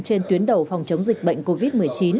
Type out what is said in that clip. trên tuyến đầu phòng chống dịch bệnh covid một mươi chín